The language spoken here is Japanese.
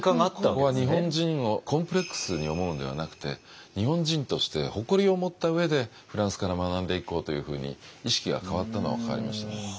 ここは日本人をコンプレックスに思うんではなくて日本人として誇りを持った上でフランスから学んでいこうというふうに意識が変わったのは変わりましたね。